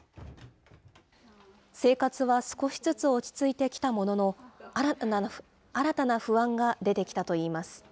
生活は少しずつ落ち着いてきたものの、新たな不安が出てきたといいます。